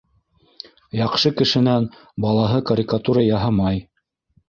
Яҡшы кешенән балаһы карикатура яһамай!